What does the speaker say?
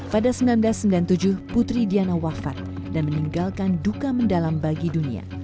pada seribu sembilan ratus sembilan puluh tujuh putri diana wafat dan meninggalkan duka mendalam bagi dunia